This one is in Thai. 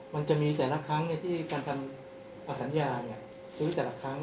มันจะมีแต่ละครั้งเนี้ยที่การทำอัศัยาเนี้ยซื้อแต่ละครั้ง